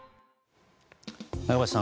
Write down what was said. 中林さん